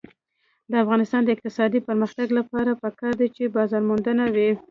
د افغانستان د اقتصادي پرمختګ لپاره پکار ده چې بازارموندنه وي.